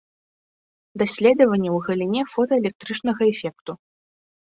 Даследаванні ў галіне фотаэлектрычнага эфекту.